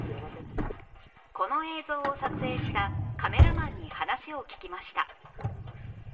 この映像を撮影したカメラマンに話を聞きました